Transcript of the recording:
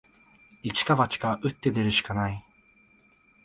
一か八か、打って出るしかない